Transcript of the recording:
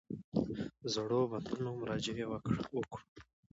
زړو متنونو مراجعې وکړو.